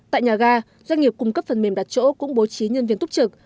tại nhà ga doanh nghiệp cung cấp phần mềm đặt chỗ cũng bố trí nhân viên túc trực